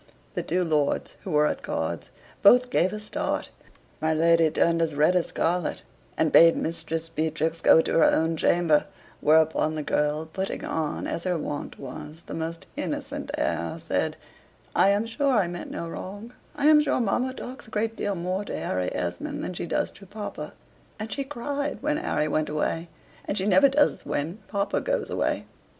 The two lords, who were at cards, both gave a start; my lady turned as red as scarlet, and bade Mistress Beatrix go to her own chamber; whereupon the girl, putting on, as her wont was, the most innocent air, said, "I am sure I meant no wrong; I am sure mamma talks a great deal more to Harry Esmond than she does to papa and she cried when Harry went away, and she never does when papa goes away!